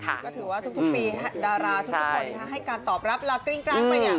ก็ถือว่าทุกปีดาราทุกคนให้การตอบรับลากริ้งกลางไป